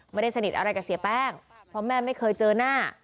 ไม่ได้สนิทอะไรกับเสียแป้งเพราะแม่ไม่เคยเจอหน้า